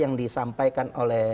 yang disampaikan oleh